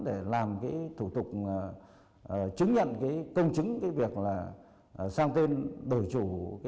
để làm thủ tục chứng nhận công chứng việc sang tên đổi chủ